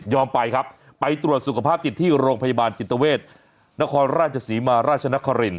ไปครับไปตรวจสุขภาพจิตที่โรงพยาบาลจิตเวทนครราชศรีมาราชนคริน